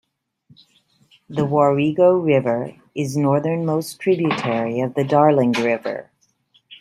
The Warrego River is northernmost tributary of the Darling River.